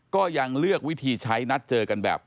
ก็ยังเลือกวิธีใช้นัดเจอกันแบบ